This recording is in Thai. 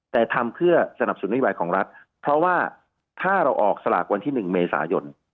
แต่ทำเพื่อสนับสนนโยบายของรัฐเพราะว่าถ้าเราออกสลากวันที่๑เมษายน